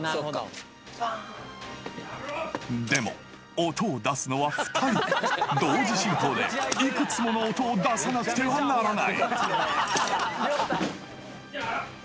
でも音を出すのは２人同時進行でいくつもの音を出さなくてはならない！